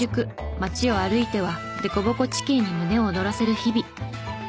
街を歩いては凸凹地形に胸を躍らせる日々。